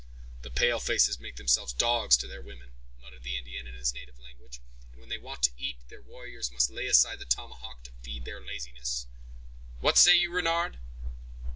"The pale faces make themselves dogs to their women," muttered the Indian, in his native language, "and when they want to eat, their warriors must lay aside the tomahawk to feed their laziness." "What say you, Renard?"